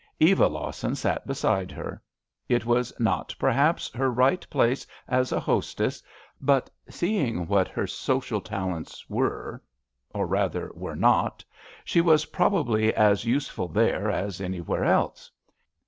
Eva Lawson sat beside her. It was not, perhaps, her right place as a hostess; but, seeing what her social talents were — or, rather, were not — she was probably as useful there as anywhere else.